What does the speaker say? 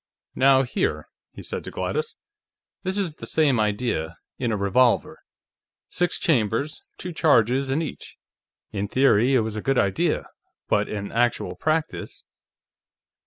"Now, here," he said to Gladys. "This is the same idea, in a revolver. Six chambers, two charges in each. In theory, it was a good idea, but in actual practice